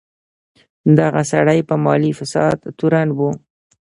دغه سړی په مالي فساد تورن و.